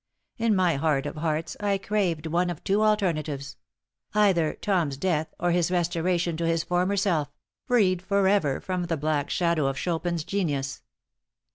In my heart of hearts I craved one of two alternatives either Tom's death or his restoration to his former self, freed forever from the black shadow of Chopin's genius.